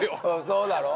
そうだろ？